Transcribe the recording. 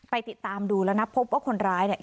ติดตามดูแล้วนะพบว่าคนร้ายเนี่ย